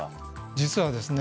実はですね